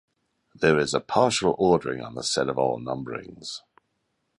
There is a partial ordering on the set of all numberings.